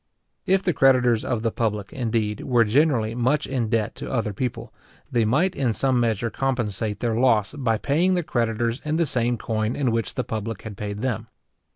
If the creditors of the public, indeed, were generally much in debt to other people, they might in some measure compensate their loss by paying their creditors in the same coin in which the public had paid them.